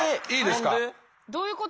どういうこと？